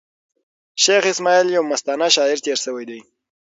شېخ اسماعیل یو مستانه شاعر تېر سوﺉ دﺉ.